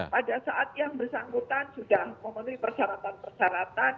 pada saat yang bersangkutan sudah memenuhi persyaratan persyaratan